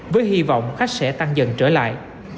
với hy vọng khách sẽ tăng dần trở lại